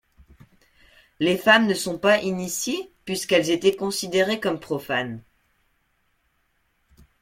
Les femmes ne sont pas initiées puisqu’elles étaient considérées comme profanes.